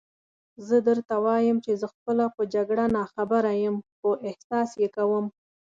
زه درته وایم چې زه خپله په جګړه ناخبره یم، خو احساس یې کوم.